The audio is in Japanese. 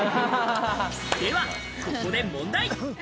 ではここで問題。